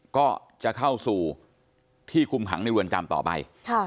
ก็จะเข้าสู่ที่คุมขังในเรือนจำต่อไป